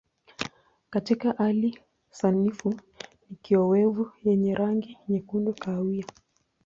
Katika hali sanifu ni kiowevu yenye rangi nyekundu kahawia.